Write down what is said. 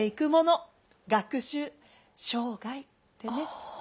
『学習生涯』てね。